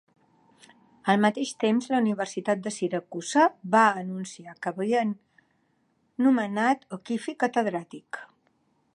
Al mateix temps, la Universitat de Siracusa va anunciar que havien nomenat O'Keefe catedràtic.